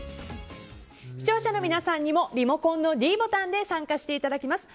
視聴者の皆さんにもリモコンのｄボタンで参加していただきます。